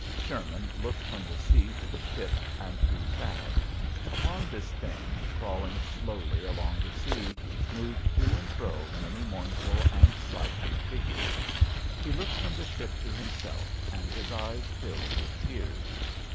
Sherman looked from the sea to the ship and grew sad. Upon this thing, crawling slowly along the sea, moved to and fro many mournful and slouching figures. He looked from the ship to him self and his eyes filled with tears.